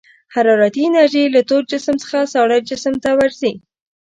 حرارتي انرژي له تود جسم څخه ساړه جسم ته ورځي.